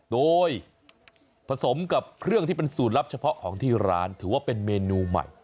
โดยผสมกับเครื่องที่เป็นสูตรลับเฉพาะของที่ร้านถือว่าเป็นเมนูใหม่